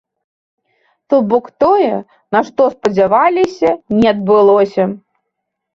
То бок тое, на што спадзяваліся, не адбылося.